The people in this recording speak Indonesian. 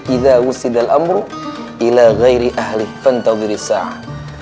iza wussidal amru ila ghairi ahlih fantawbirisa'